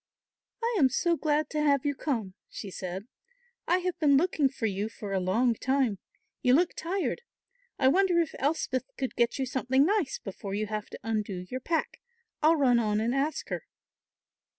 "I am so glad to have you come," she said; "I have been looking for you for a long time. You look tired. I wonder if Elspeth could get you something nice before you have to undo your pack. I'll run on and ask her."